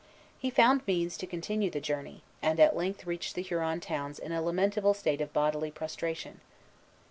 He found means to continue the journey, and at length reached the Huron towns in a lamentable state of bodily prostration.